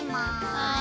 はい。